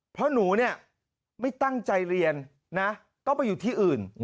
เพราะหนูเนี่ยไม่ตั้งใจเรียนนะต้องไปอยู่ที่อื่น